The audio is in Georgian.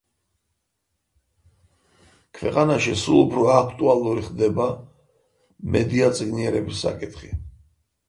ქვეყანაში სულ უფრო აქტუალური ხდება მედიაწიგნიერების საკითხი